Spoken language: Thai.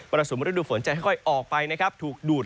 มรสุมฤดูฝนจะค่อยออกไปถูกดูด